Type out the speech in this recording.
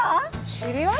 知り合い？